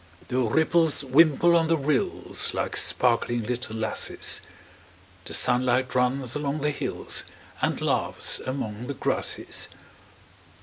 The ripples wimple on the rills, Like sparkling little lasses; The sunlight runs along the hills, And laughs among the grasses.